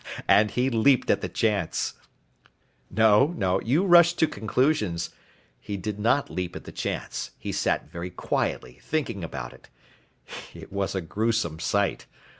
"And he leaped at the chance." "No. You rush to conclusions. He did not leap at the chance. He sat very quietly thinking about it. It was a gruesome sight.